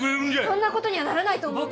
そんなことにはならないと思う。